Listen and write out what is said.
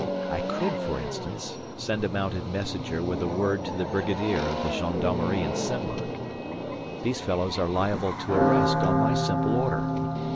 I could, for instance, send a mounted messenger with a word to the brigadier of the gendarmerie in Senlac. These fellows are liable to arrest on my simple order.